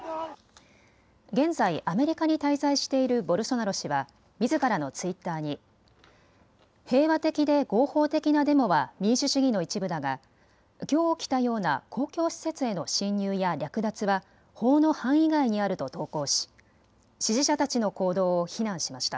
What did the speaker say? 現在、アメリカに滞在しているボルソナロ氏はみずからのツイッターに平和的で合法的なデモは民主主義の一部だが、きょう起きたような公共施設への侵入や略奪は法の範囲外にあると投稿し支持者たちの行動を非難しました。